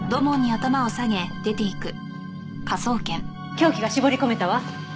凶器が絞り込めたわ。